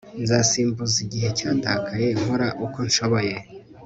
nzasimbuza igihe cyatakaye nkora uko nshoboye